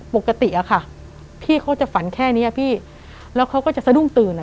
ปกติอะค่ะพี่เขาจะฝันแค่นี้พี่แล้วเขาก็จะสะดุ้งตื่นอ่ะ